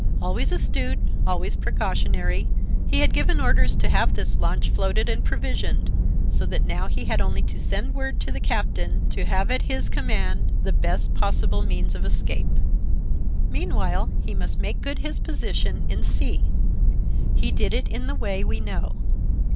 Always astute, always precautionary, he had given orders to have this launch floated and provisioned, so that now he had only to send word to the captain, to have at his command the best possible means of escape. Meanwhile, he must make good his position in C—. He did it in the way we know.